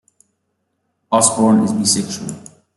Osborne is bisexual.